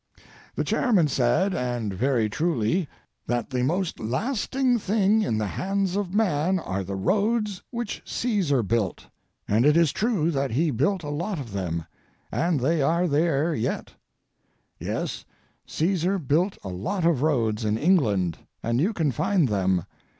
The chairman said, and very truly, that the most lasting thing in the hands of man are the roads which Caesar built, and it is true that he built a lot of them; and they are there yet. Yes, Caesar built a lot of roads in England, and you can find them.